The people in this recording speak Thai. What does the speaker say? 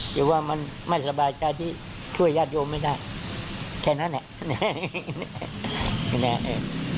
หรือว่ามันไม่สบายใจที่ช่วยญาติโยมไม่ได้แค่นั้นแหละ